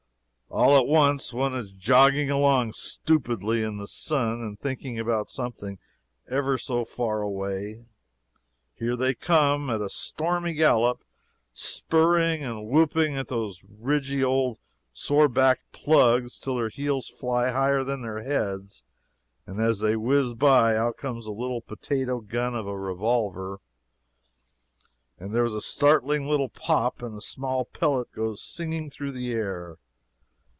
All at once, when one is jogging along stupidly in the sun, and thinking about something ever so far away, here they come, at a stormy gallop, spurring and whooping at those ridgy old sore backed plugs till their heels fly higher than their heads, and as they whiz by, out comes a little potato gun of a revolver, there is a startling little pop, and a small pellet goes singing through the air.